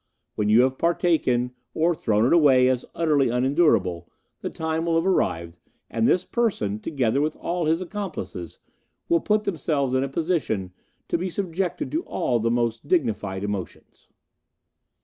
When you have partaken, or thrown it away as utterly unendurable, the time will have arrived, and this person, together with all his accomplices, will put themselves in a position to be subjected to all the most dignified emotions."